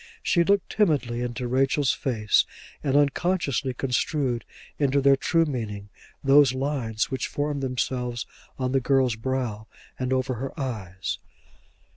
She looked timidly into Rachel's face and unconsciously construed into their true meaning those lines which formed themselves on the girl's brow and over her eyes.